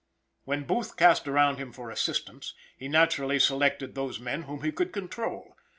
When Booth cast around him for assistance, he naturally selected those men whom he could control.